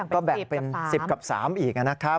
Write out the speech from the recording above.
ก็แบ่งเป็น๑๐กับ๓อีกนะครับ